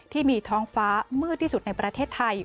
ที่มีท้องฟ้ามืดที่สุดในประเทศไทย